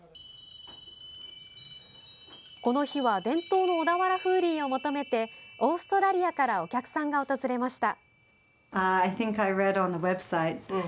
この日は伝統の小田原風鈴を求めてオーストラリアからお客さんが訪れました。